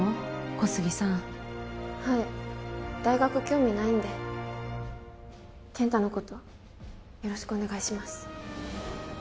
小杉さんはい大学興味ないんで健太のことよろしくお願いします